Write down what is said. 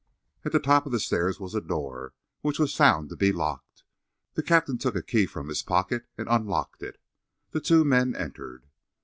At the top of the stairs was a door, which was found to be locked. The captain took a key from his pocket and unlocked it. The two men entered.